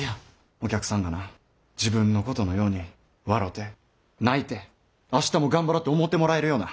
お客さんがな自分のことのように笑て泣いて明日も頑張ろて思てもらえるような。